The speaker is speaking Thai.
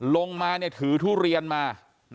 ลงมาเนี่ยถือทุเรียนมา